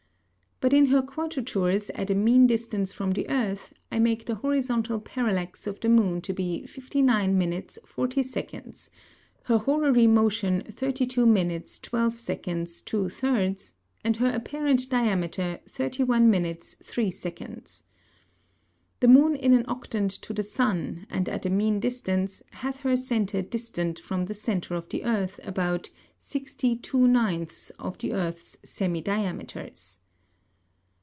But in her Quadratures at a mean Distance from the Earth, I make the Horizontal Parallax of the Moon to be 59 minutes, 40 seconds, her Horary Motion 32 minutes, 12 seconds, 2 thirds, and her apparent Diameter, 31 minutes, 3 seconds. The Moon in an Octant to the Sun, and at a mean distance, hath her Centre distant from the Centre of the Earth about 60 2/9 of the Earth's Semi diameters.